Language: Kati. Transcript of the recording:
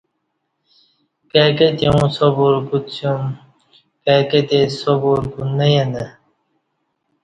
کائی کتی اوں صبر کوڅیوم کائی کتی صبر کو نہ یینہ